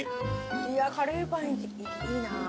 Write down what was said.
いやカレーパンいいな。